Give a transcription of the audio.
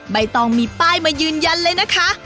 ใบตองมีป้ายมายืนยันเลยนะคะ